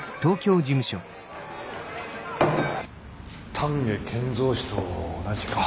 丹下建三氏と同じか。